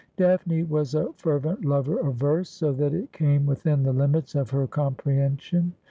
Daphne was a fervent lover of verse, so that it came within the limits of her comprehension.